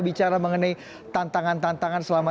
bicara mengenai tantangan tantangan selama